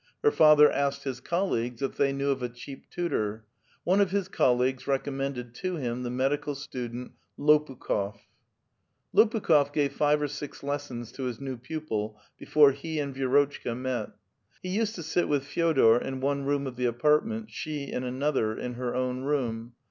Her father asked his colleagues if they knew of a cheap tutor. One of his colleagues recommended to him the medical student Ix)pakh6f. Lopnkli6f gave five or six lessons to his new pupil before he and Vierotchka met. He used to sit with Feodor in one room of the apartment, she in another, in her own room.